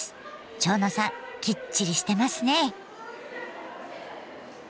蝶野さんきっちりしてますね。